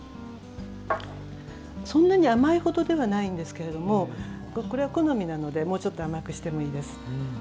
そんなに甘いほどではないんですけれどもこれは好みなのでもうちょっと甘くしてもいいです。